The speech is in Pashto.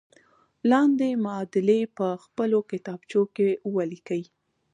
لاندې معادلې په خپلو کتابچو کې ولیکئ.